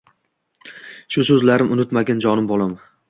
«Shu suzlarim unutmagin jonim bolam